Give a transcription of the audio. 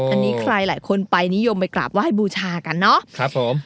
อันนี้ใครหลายคนไปนิยมไปกราบไห้บูชากันเนาะ